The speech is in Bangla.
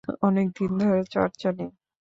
অনেকদিন ধরে চর্চা নেই।